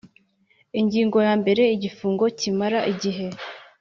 Ingingo ya mbere Igifungo kimara igihe